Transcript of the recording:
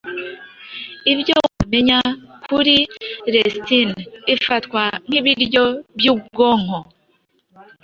ibyo wamenya kuri lecithin ifatwa nk’ibiryo by’ubwonko